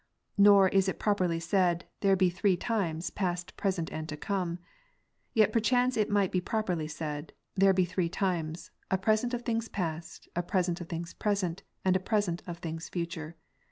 Nor is it properly said, " there be three times, past, present, and to come :" yet perchance it might be properly said, " there be three times ; a present of things past, a present of things present, and a present of things future."